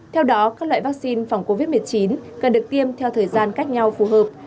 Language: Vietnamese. theo đó các loại vaccine phòng covid một mươi chín cần được tiêm theo thời gian cách nhau phù hợp